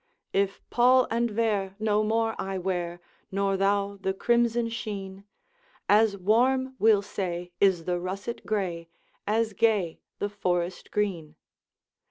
'If pall and vair no more I wear, Nor thou the crimson sheen As warm, we'll say, is the russet gray, As gay the forest green.